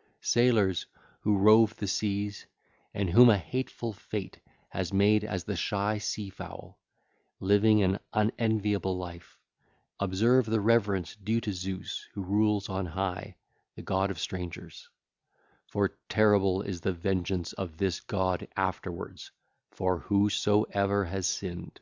VIII. (4 lines) (ll. 1 4) Sailors, who rove the seas and whom a hateful fate has made as the shy sea fowl, living an unenviable life, observe the reverence due to Zeus who rules on high, the god of strangers; for terrible is the vengeance of this god afterwards for whosoever has sinned.